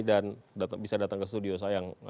dan bisa datang ke studio sayang